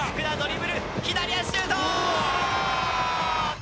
左足シュート！